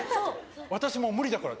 私もう無理だから」